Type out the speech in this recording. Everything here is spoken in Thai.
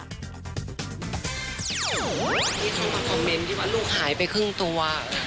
ที่เขามาคอมเมนต์ที่ว่าลูกหายไปครึ่งตัว